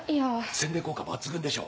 宣伝効果抜群でしょう。